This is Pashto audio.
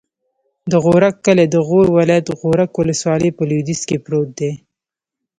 د غورک کلی د غور ولایت، غورک ولسوالي په لویدیځ کې پروت دی.